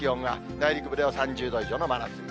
内陸部では３０度以上の真夏日。